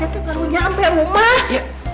kan aden baru nyampe rumah